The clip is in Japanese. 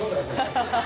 ハハハハ。